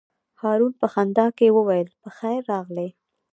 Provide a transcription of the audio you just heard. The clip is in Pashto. هارون په خندا کې وویل: په خیر راغلې.